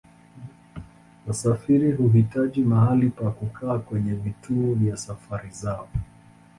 Wasafiri huhitaji mahali pa kukaa kwenye vituo vya safari zao.